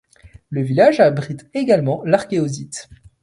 Le village abrite également l'Archéosite.